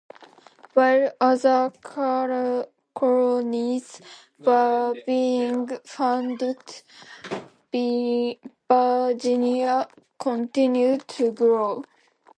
While other colonies were being founded, Virginia continued to grow.